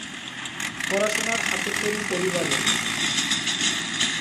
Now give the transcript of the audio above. পড়াশোনার হাতেখড়ি পরিবারে।